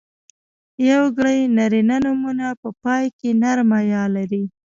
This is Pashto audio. یوګړي نرينه نومونه په پای کې نرمه ی لري.